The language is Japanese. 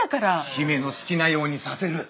「姫の好きなようにさせる」。